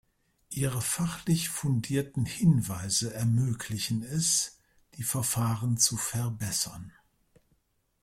Ihre fachlich fundierten Hinweise ermöglichen es, die Verfahren zu verbessern.